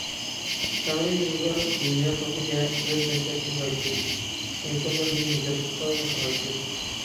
تەڭرى يولىدا دۇنيا خەلقىگە ۋەز - نەسىھەت قىلغايسىز، ئىنسانلارنى نىجاتلىققا باشلىغايسىز.